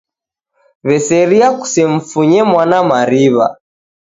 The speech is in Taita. W'eseria kusemfunye mwana mariw'a